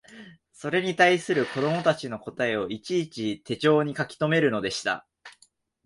それに対する子供たちの答えをいちいち手帖に書きとめるのでした